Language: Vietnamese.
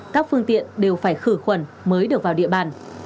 các phương tiện đều phải khử khuẩn mới được vào địa bàn